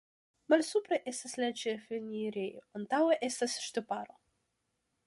Malsupre estas la ĉefenirejo, antaŭe estas ŝtuparo.